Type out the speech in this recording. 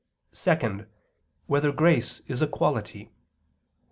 (2) Whether grace is a quality?